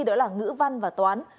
đó là ngữ văn và toán